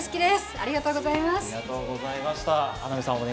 ありがとうございます。